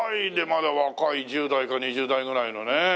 まだ若い１０代か２０代ぐらいのね。